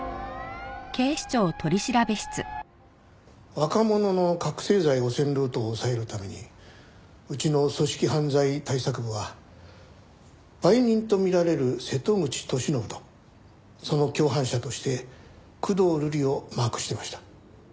若者の覚醒剤汚染ルートを押さえるためにうちの組織犯罪対策部は売人とみられる瀬戸口俊信とその共犯者として工藤瑠李をマークしてました。